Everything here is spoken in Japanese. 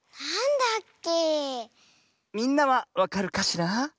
みんなはわかるかしら？